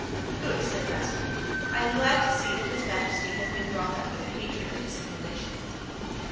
"Good," said Mazarin, "I am glad to see that his majesty has been brought up with a hatred of dissimulation."